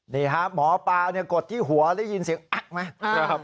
นี่ครับหมอปลากดที่หัวได้ยินเสียงอั๊กไหม